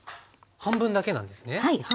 半分だけなんです。